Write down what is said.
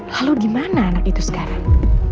lalu gimana anak itu sekarang